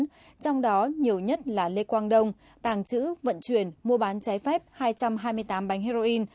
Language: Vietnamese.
trong đó nhiều nhất là lê quang đông tàng trữ vận chuyển mua bán trái phép hai trăm hai mươi tám bánh heroin